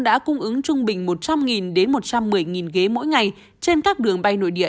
đã cung ứng trung bình một trăm linh đến một trăm một mươi ghế mỗi ngày trên các đường bay nội địa